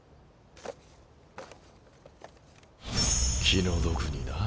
気の毒にな。